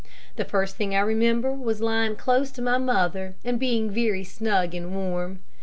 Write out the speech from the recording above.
The first thing I remember was lying close to my mother and being very snug and warm.